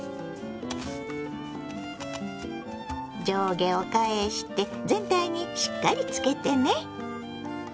上下を返して全体にしっかりつけてね。